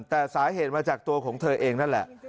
แต่สาเหตุมาจากตัวของเธอเองนั่นแหละ